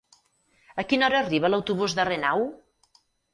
A quina hora arriba l'autobús de Renau?